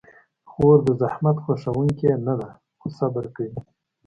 خور د زحمت خوښونکې نه ده، خو صبر کوي.